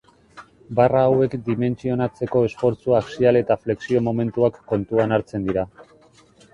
Barra hauek dimentsionatzeko esfortzu axial eta flexio-momentuak kontuan hartzen dira.